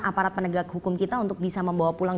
aparat penegak hukum kita untuk bisa membawa pulang